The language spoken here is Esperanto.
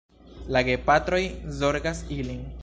La gepatroj zorgas ilin.